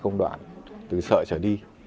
trong đoạn từ sợi trở đi